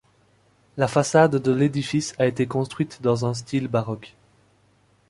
La façade de l'édifice a été construite dans un style baroque.